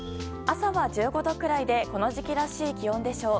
朝は１５度くらいでこの時期らしい気温でしょう。